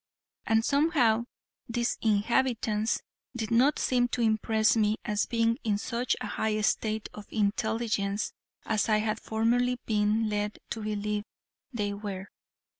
And somehow these inhabitants did not seem to impress me as being in such a high state of intelligence as I had formerly been led to believe they were.